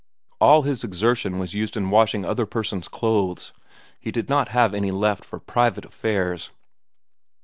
All his exertion was used in washing other persons' clothes. He did not have any left for private affairs.